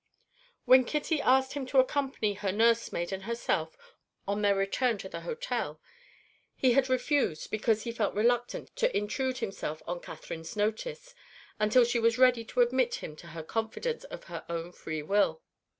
When Kitty asked him to accompany her nursemaid and herself on their return to the hotel, he had refused because he felt reluctant to intrude himself on Catherine's notice, until she was ready to admit him to her confidence of her own free will.